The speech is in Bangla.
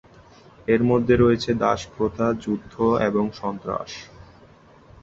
এর মধ্যে রয়েছে দাসপ্রথা, যুদ্ধ এবং সন্ত্রাস।